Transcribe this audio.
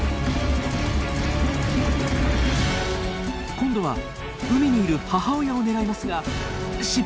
今度は海にいる母親を狙いますが失敗。